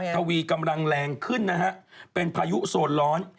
ทวีกำลังแรงขึ้นนะฮะเป็นพายุโซนร้อน